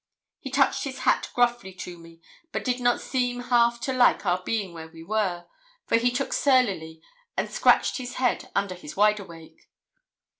He touched his hat gruffly to me, but did not seem half to like our being where we were, for he looked surlily, and scratched his head under his wide awake.